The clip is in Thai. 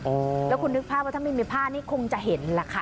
แล้วคุณนึกภาพว่าถ้าไม่มีผ้านี่คงจะเห็นแหละค่ะ